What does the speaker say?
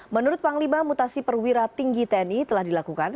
menurut panglima mutasi perwira tinggi tni telah dilakukan